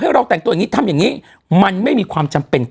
เราแต่งตัวอย่างนี้ทำอย่างนี้มันไม่มีความจำเป็น